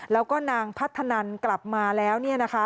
แล้วก็นางพัฒนันกลับมาแล้วเนี่ยนะคะ